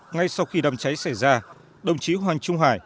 ngay sau khi đám cháy xảy ra đồng chí hoàng trung hải